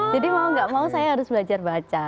jadi mau gak mau saya harus belajar baca